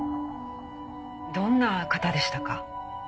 どんな方でしたか？